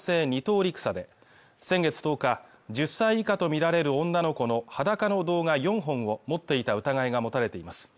陸佐で先月１０日１０歳以下とみられる女の子の裸の動画４本を持っていた疑いが持たれています